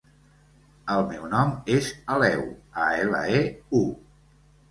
El meu nom és Aleu: a, ela, e, u.